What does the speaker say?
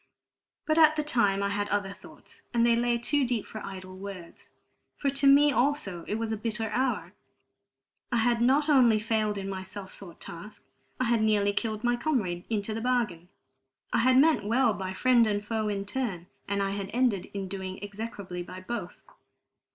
But at the time I had other thoughts, and they lay too deep for idle words, for to me also it was a bitter hour. I had not only failed in my self sought task; I had nearly killed my comrade into the bargain. I had meant well by friend and foe in turn, and I had ended in doing execrably by both.